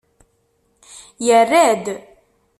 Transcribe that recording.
Yerra-d.